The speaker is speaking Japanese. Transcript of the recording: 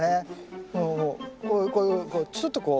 こうこういうすっとこう。